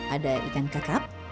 ada ikan kakab